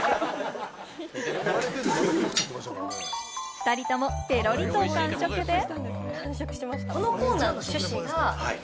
２人ともペロリと完食です。